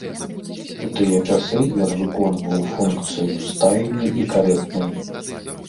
У тыя часы ён выконваў функцыю стайні і карэтнай.